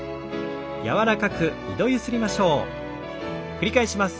繰り返します。